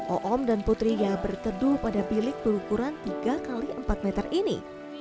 oom dan putrinya berteduh pada bilik berukuran tiga x empat meter ini